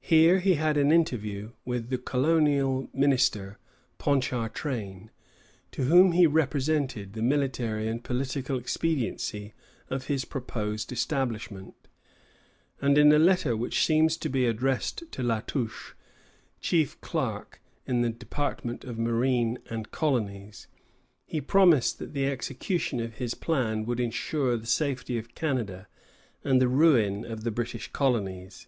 Here he had an interview with the colonial minister, Ponchartrain, to whom he represented the military and political expediency of his proposed establishment; and in a letter which seems to be addressed to La Touche, chief clerk in the Department of Marine and Colonies, he promised that the execution of his plan would insure the safety of Canada and the ruin of the British colonies.